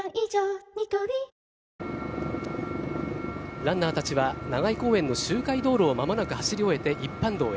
ランナーたちは長居公園の周回道路を間もなく走り終えて一般道へ。